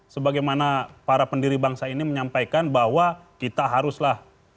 sebagaimana para pendiri bangsa ini menyampaikan bahwa kita haruslah